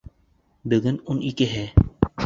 Бөгөн ун икеһе.